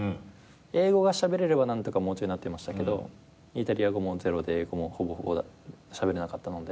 英語がしゃべれれば何とかもうちょいなってましたけどイタリア語もゼロで英語もほぼほぼしゃべれなかったので。